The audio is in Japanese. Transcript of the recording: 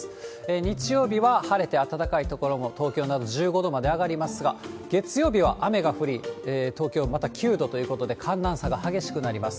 日曜日は晴れて暖かい所も、東京など、１５度まで上がりますが、月曜日は雨が降り、東京、また９度ということで、寒暖差が激しくなります。